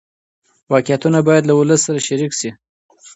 واقعیتونه باید له ولس سره شریک شي.